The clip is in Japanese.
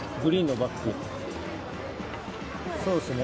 そうですね。